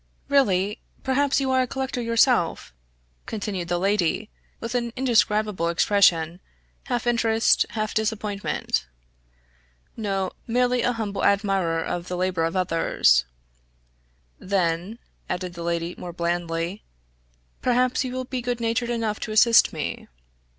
"Really! Perhaps you are a collector yourself?" continued the lady, with an indescribable expression, half interest, half disappointment. "No merely a humble admirer of the labors of others." "Then," added the lady, more blandly, "perhaps you will be good natured enough to assist me."